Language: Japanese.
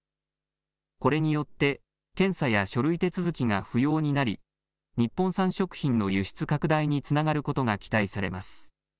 これによって検査や書類手続きが不要になり日本産食品の輸出拡大につながることが期待されます。